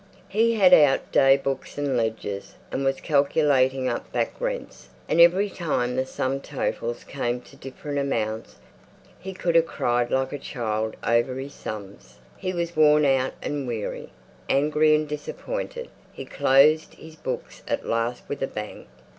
He had out day books and ledgers, and was calculating up back rents; and every time the sum totals came to different amounts. He could have cried like a child over his sums; he was worn out and weary, angry and disappointed. He closed his books at last with a bang.